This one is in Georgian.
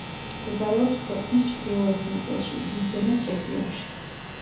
მდებარეობს ქვეყნის ჩრდილოეთ ნაწილში, ვიძემეს რეგიონში.